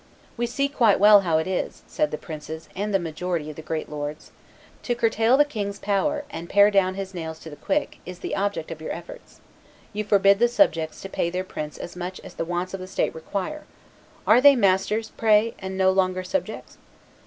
"We see quite well how it is," said the princes and the majority of the great lords; "to curtail the king's power, and pare down his nails to the quick, is the object of your efforts; you forbid the subjects to pay their prince as much as the wants of the state require: are they masters, pray, and no longer subjects?